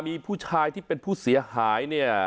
มีผู้ชายที่เป็นผู้เสียหายเนี่ย